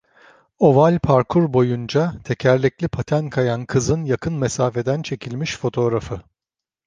Oval parkur boyunca tekerlekli paten kayan kızın yakın mesafeden çekilmiş fotoğrafı.